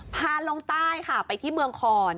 พาลงใต้ค่ะไปที่เมืองคอน